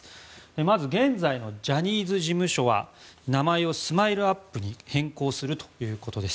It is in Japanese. まず現在のジャニーズ事務所は名前をＳＭＩＬＥ−ＵＰ．に変更するということです。